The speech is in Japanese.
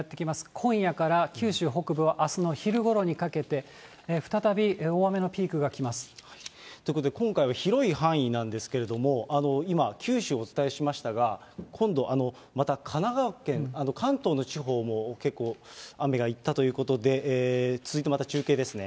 今夜から九州北部はあすの昼ごろにかけて、再び、大雨のピークがということで、今回は広い範囲なんですけれども、今、九州をお伝えしましたが、今度、また神奈川県、関東の地方も結構雨が行ったということで、続いて、また中継ですね。